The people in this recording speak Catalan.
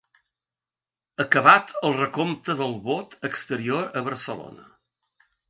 Acabat el recompte del vot exterior a Barcelona.